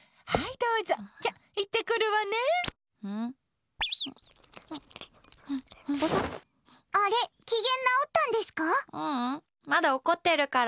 ううん、まだ怒ってるから。